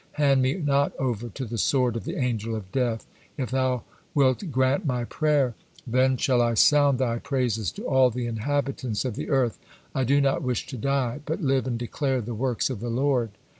Hand me not over to the sword of the Angel of Death. If Thou wild grant my prayer, then shall I sound Thy praises to all the inhabitants of the earth; I do not wish to die, 'but live and declare the works of the Lord.'"